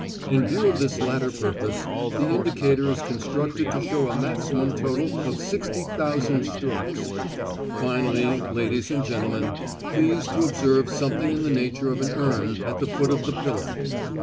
In view of this latter purpose, the indicator is constructed to show a maximum total of 60,000 strokes. Finally, ladies and gentlemen, please to observe something in the nature of an urn at the foot of the pillar.